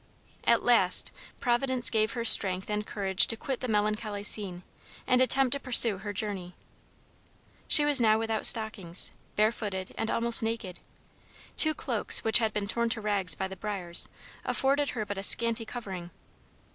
At last Providence gave her strength and courage to quit the melancholy scene, and attempt to pursue her journey. She was now without stockings, barefooted, and almost naked; two cloaks, which had been torn to rags by the briars, afforded her but a scanty covering.